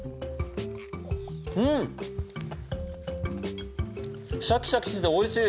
うんシャキシャキしてておいしい！